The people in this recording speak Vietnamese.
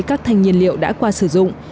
các thanh nhiên liệu đã qua sử dụng